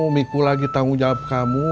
memikul lagi tanggung jawab kamu